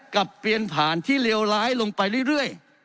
เปลี่ยนผ่านที่เลวร้ายลงไปเรื่อย